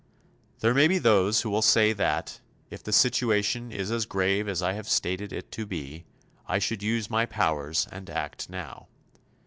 There may be those who will say that, if the situation is as grave as I have stated it to be, I should use my powers and act now.